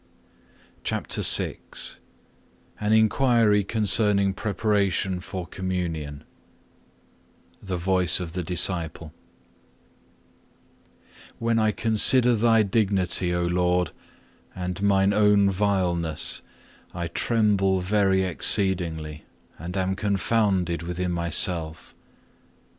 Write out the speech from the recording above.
CHAPTER VI An inquiry concerning preparation for Communion The Voice of the Disciple When I consider Thy dignity, O Lord, and mine own vileness, I tremble very exceedingly, and am confounded within myself.